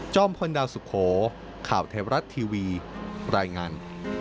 จ้อมพลดาวสุโขข่าวเทวรัตน์ทีวีรายงาน